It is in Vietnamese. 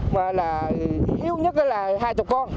mà là hiếu nhất là hai mươi con